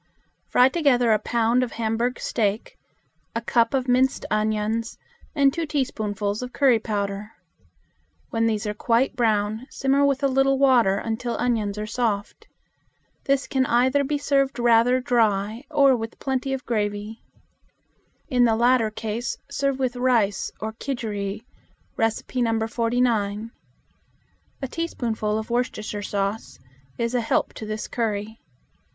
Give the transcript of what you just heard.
Fry together a pound of hamburg steak, a cup of minced onions, and two teaspoonfuls of curry powder. When these are quite brown simmer with a little water until onions are soft. This can either be served rather dry or with plenty of gravy. In the latter case, serve with rice or kidgeri (No. 49). A teaspoonful of Worcestershire sauce is a help to this curry.